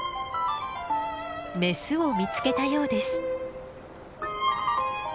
メスを見つけたようです。